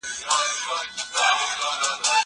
زه هره ورځ واښه راوړم!؟